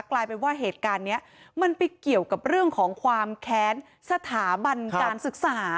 กลายเป็นว่าเหตุการณ์นี้มันไปเกี่ยวกับเรื่องของความแค้นสถาบันการศึกษา